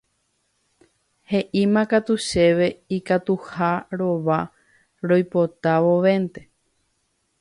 He'ímakatu chéve ikatuha rova roipota vovénte.